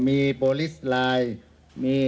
มีโปรลิสไลน์